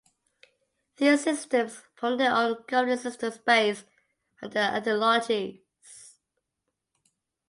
These systems formed their own governing system based on their ideologies.